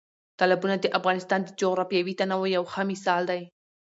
تالابونه د افغانستان د جغرافیوي تنوع یو ښه مثال دی.